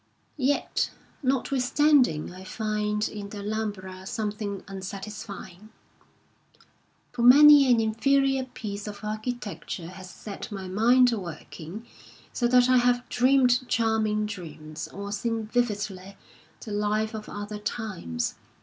Yet, notwithstanding, I find in the Alhambra some thing unsatisfying; for many an inferior piece of architecture has set my mind a working so that I have dreamed charming dreams, or seen vividly the life of other times.